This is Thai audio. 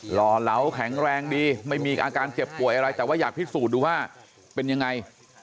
ห่อเหลาแข็งแรงดีไม่มีอาการเจ็บป่วยอะไรแต่ว่าอยากพิสูจน์ดูว่าเป็นยังไง